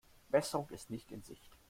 Besserung ist nicht in Sicht.